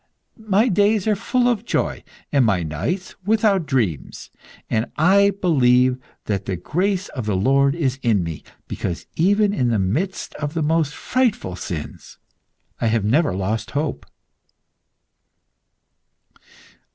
My days are full of joy, and my nights without dreams, and I believe that the grace of the Lord is in me, because, even in the midst of the most frightful sins, I have never lost hope."